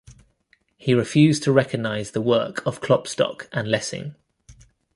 He refused to recognize the work of Klopstock and Lessing.